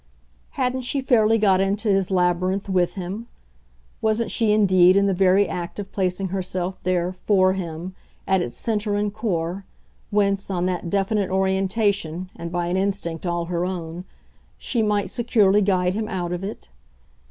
Hadn't she fairly got into his labyrinth with him? wasn't she indeed in the very act of placing herself there, for him, at its centre and core, whence, on that definite orientation and by an instinct all her own, she might securely guide him out of it?